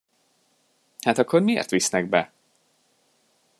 Hát akkor miért visznek be?!